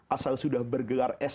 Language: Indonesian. asal sudah bergelar esok